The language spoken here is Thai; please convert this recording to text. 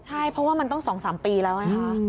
ใช่เพราะว่ามันต้อง๒๓ปีแล้วไงคะ